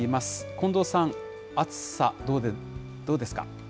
近藤さん、暑さ、どうですか。